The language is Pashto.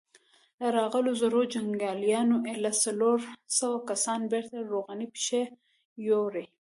له راغلو زرو جنګياليو ايله څلورو سوو کسانو بېرته روغي پښې يووړې.